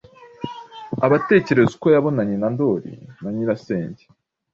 abatekerereza uko yabonanye na Ndoli na nyirasenge.